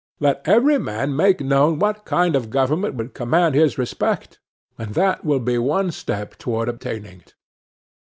Let every man make known what kind of government would command his respect, and that will be one step toward obtaining it.